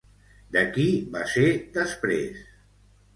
De qui va ser després?